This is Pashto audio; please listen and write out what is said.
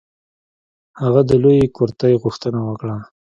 هغه د لویې کرتۍ غوښتنه وکړه.